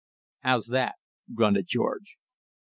"How's that?" grunted George.